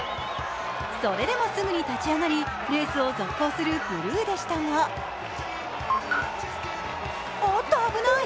それでもすぐに立ち上がりレースを続行するブルーでしたがおっと危ない！